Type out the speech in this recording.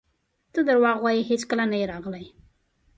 ته درواغ وایې هیڅکله نه یې راغلی!